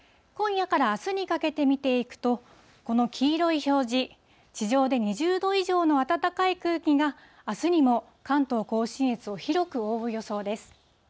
今夜からあすにかけて見ていくと、この黄色い表示、地上で２０度以上の暖かい空気が、あすにも関東甲信越を広く覆う予想です。